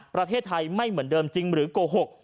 ประเทศไทยไม่เหมือนเดิมจริงหรือโกหก